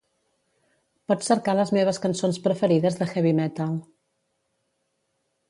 Pots cercar les meves cançons preferides de heavy metal.